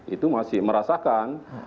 itu masih merasakan